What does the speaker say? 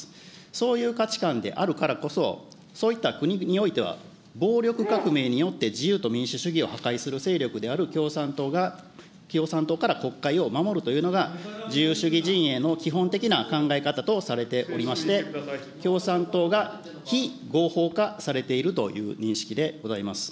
そういう価値観であるからこそ、そういった国においては、暴力革命によって自由と民主主義を破壊する勢力である共産党が、共産党から国会を守るというのが、自由主義陣営の基本的な考え方とされておりまして、共産党が非合法化されているという認識でございます。